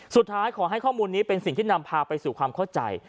สุดท้ายขอให้ข้อมูลนี้เป็นสิ่งที่นำพาไปสู่ความเข้าใจ